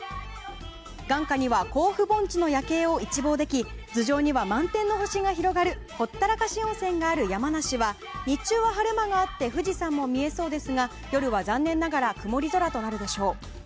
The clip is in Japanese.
眼下には甲府盆地の夜景を一望でき頭上には満天の星が広がるほったらかし温泉がある山梨は日中は晴れ間があって晴れそうですが夜は残念ながら曇り空となるでしょう。